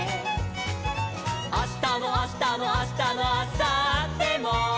「あしたのあしたのあしたのあさっても」